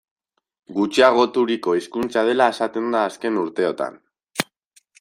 Gutxiagoturiko hizkuntza dela esaten da azken urteotan.